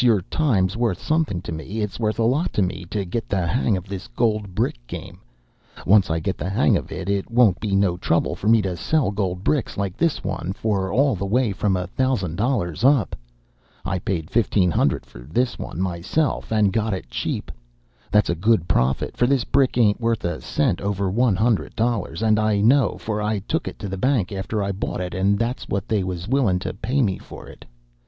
"Your time's wuth somethin' to me it's wuth a lot to me to get the hang of this gold brick game. Once I get the hang of it, it won't be no trouble for me to sell gold bricks like this one for all the way from a thousand dollars up. I paid fifteen hundred for this one myself, and got it cheap. That's a good profit, for this brick ain't wuth a cent over one hundred dollars, and I know, for I took it to the bank after I bought it, and that's what they was willin' to pay me for it.